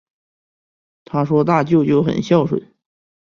她说大舅舅很孝顺